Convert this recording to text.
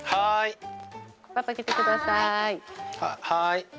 はい。